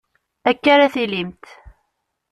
Akka ara tillimt.